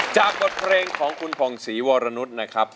จากบทเพลงของคุณผ่องศรีวรนุษย์นะครับ